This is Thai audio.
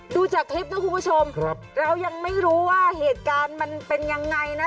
ดูจากคลิปนะคุณผู้ชมเรายังไม่รู้ว่าเหตุการณ์มันเป็นยังไงนะ